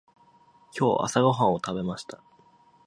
今日朝ごはんを食べました。